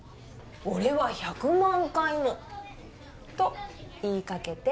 「おれは１００万回もといいかけて」